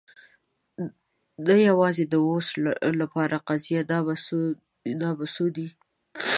نه، یوازې د اوس لپاره قضیه. دا په څو دی؟